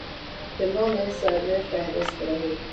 فلموں میں سرِ فہرست رہی۔